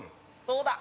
どうだ？